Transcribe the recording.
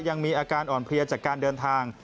ยังมีอาการอ่อนเพลียจากการเดินทาง